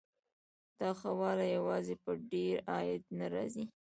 دا ښه والی یوازې په ډېر عاید نه راځي.